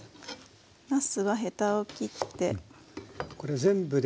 なすはヘタを切って。